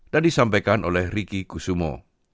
dan disampaikan oleh ricky kusumo